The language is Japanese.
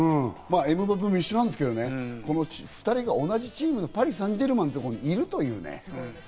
エムバペも一緒なんですけどね、この２人が同じチーム、パリ・サンジェルマンというところにいる。